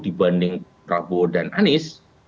dibanding prabowo dan anies